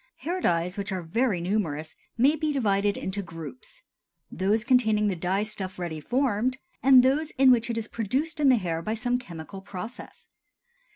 Hair dyes, which are very numerous, may be divided into groups—those containing the dye stuff ready formed, and those in which it is produced in the hair by some chemical process.